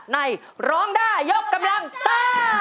ในร้องได้ยกกำลังซ่า